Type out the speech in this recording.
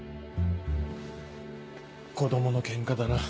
子供のケンカだな。